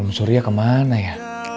om surya kemana ya